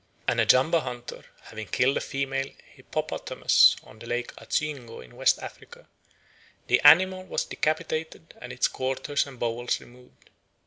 An Ajumba hunter having killed a female hippopotamus on Lake Azyingo in West Africa, the animal was decapitated and its quarters and bowels removed.